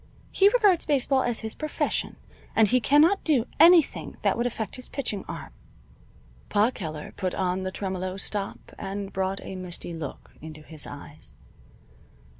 "He regards baseball as his profession, and he cannot do anything that would affect his pitching arm." Pa Keller put on the tremolo stop and brought a misty look into his eyes.